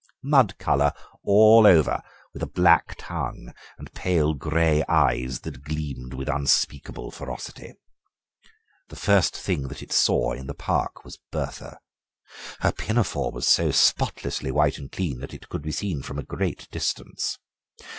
"Mud colour all over, with a black tongue and pale grey eyes that gleamed with unspeakable ferocity. The first thing that it saw in the park was Bertha; her pinafore was so spotlessly white and clean that it could be seen from a great distance.